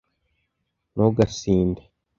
ntugasinde